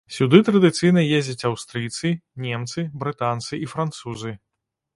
Сюды традыцыйна ездзяць аўстрыйцы, немцы, брытанцы і французы.